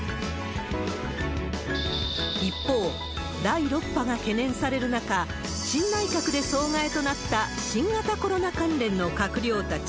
一方、第６波が懸念される中、新内閣で総替えとなった新型コロナ関連の閣僚たち。